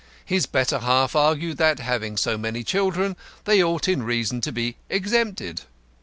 His better half argued that, having so many children, they ought in reason to be exempted.